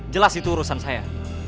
jelas itu urusan saya